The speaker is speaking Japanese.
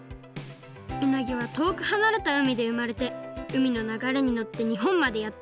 うなぎはとおくはなれた海で生まれて海のながれにのってにほんまでやってくる。